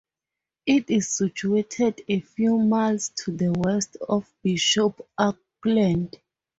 It is situated a few miles to the west of Bishop Auckland.